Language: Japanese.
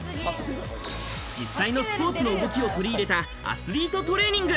実際のスポーツの動きを取り入れたアスリートトレーニング。